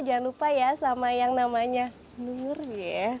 jangan lupa ya sama yang namanya nur gitu ya